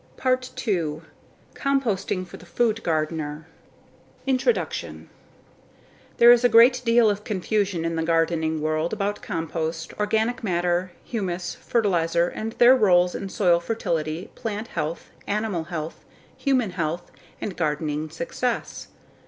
PART TWO Composting For The Food Gardener Introduction There is a great deal of confusion in the gardening world about compost, organic matter, humus, fertilizer and their roles in soil fertility, plant health, animal health, human health and gardening success.